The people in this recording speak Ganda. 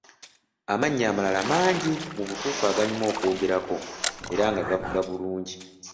Amanya amalala mangi mu butuufu aganyuma okwogerako era nga gavuga bulungi.